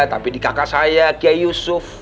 tapi di kakak saya kiai yusuf